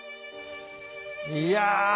いや。